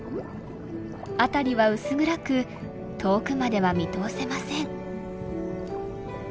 辺りは薄暗く遠くまでは見通せません。